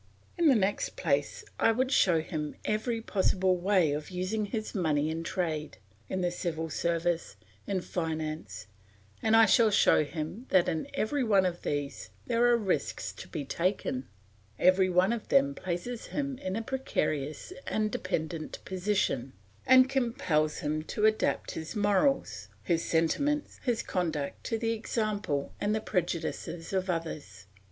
In the next place I would show him every possible way of using his money in trade, in the civil service, in finance, and I shall show him that in every one of these there are risks to be taken, every one of them places him in a precarious and dependent position, and compels him to adapt his morals, his sentiments, his conduct to the example and the prejudices of others.